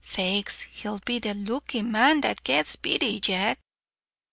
Faix, he'll be the looky man that gets Biddy, yet."